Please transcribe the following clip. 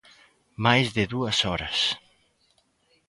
Máis de dúas horas.